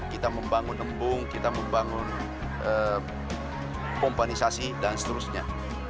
kita membangun embung kita membangun pompanisasi dan seterusnya